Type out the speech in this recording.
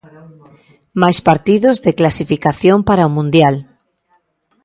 Máis partidos de clasificación para o Mundial.